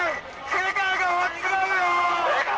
世界が終わっちまうんだよ！